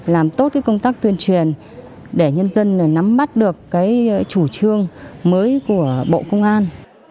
làm tốt công tác tuyên truyền để nhân dân nắm mắt được chủ trương mới của bộ công an